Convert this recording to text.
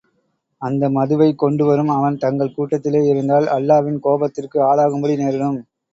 அந்த மதுவைக் கொண்டுவரும் அவன் தங்கள் கூட்டத்திலே இருந்தால், அல்லாவின் கோபத்திற்கு ஆளாகும்படி நேரிடும்.